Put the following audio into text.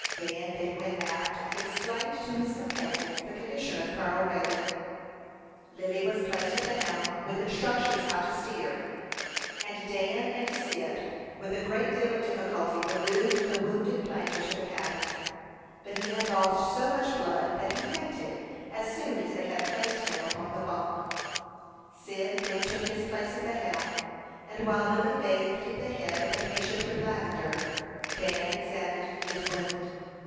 Dan then went aft, and explained to his companions the condition of Colonel Raybone. Lily was placed at the helm, with instructions how to steer, and Dan and Cyd, with a great deal of difficulty, removed the wounded planter to the cabin. But he had lost so much blood that he fainted as soon as they had placed him upon the bunk. Cyd then took his place at the helm; and while Lily bathed the head of the patient with lavender, Dan examined his wound.